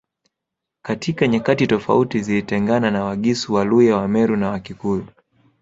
Katika nyakati tofauti zilitengana na Wagisu Waluya Wameru na Wakikuyu